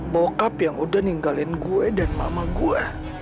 bokap yang udah ninggalin gue dan mama gue